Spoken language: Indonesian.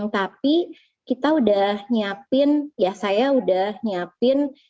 tapi kita udah nyiapin ya saya udah nyiapin